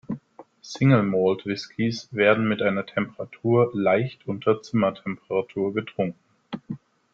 Single-Malt-Whiskys werden mit einer Temperatur leicht unter Zimmertemperatur getrunken.